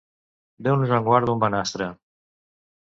Déu nos en guard d'un banastra.